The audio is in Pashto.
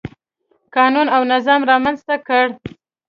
قانون او نظم رامنځته کړ.